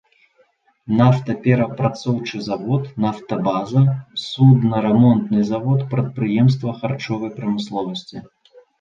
Нафтаперапрацоўчы завод, нафтабаза, суднарамонтны завод, прадпрыемства харчовай прамысловасці.